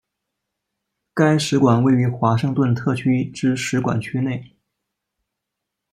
该使馆位于华盛顿特区之使馆区内。